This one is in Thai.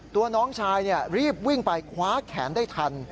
ตัวน้องชายรีบวิ่งไปคว้าแขนได้ทัน